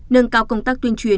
nâng cao công tác tuyên truyền